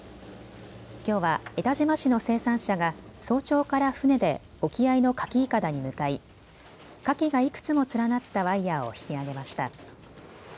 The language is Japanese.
きょうは江田島市の生産者が早朝から船で沖合のかきいかだに向かいかきがいくつも連なったワイヤーを引き上げました。